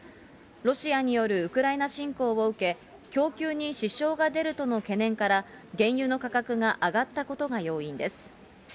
ロシアによるウクライナ侵攻を受け、供給に支障が出るとの懸念から、原油の価格が上がったことが要因です。